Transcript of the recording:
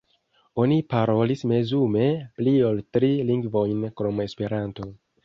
Oni parolis mezume pli ol tri lingvojn krom Esperanto.